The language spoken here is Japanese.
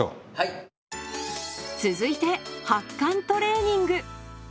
続いて「発汗トレーニング」。